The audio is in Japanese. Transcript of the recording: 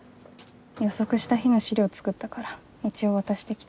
予測した日の資料作ったから一応渡してきた。